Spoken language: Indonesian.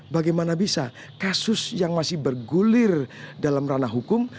bagaimana bisa kasus yang masih bergulir dalam ranah hukum